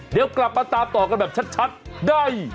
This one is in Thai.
เดี๋ยวกลับมาตามต่อกันแบบชัดได้